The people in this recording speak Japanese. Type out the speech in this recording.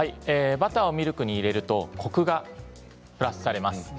バターをミルクに入れるとコクがプラスされます。